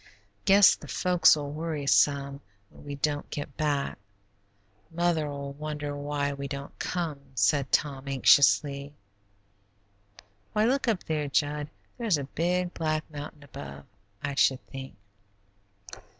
"Guess the folks'll worry some when we don't get back. Mother'll wonder why we don't come," said Tom, anxiously. "Why, look up there, Jud; there's a big, black mountain above, I should think."